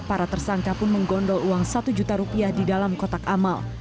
para tersangka pun menggondol uang satu juta rupiah di dalam kotak amal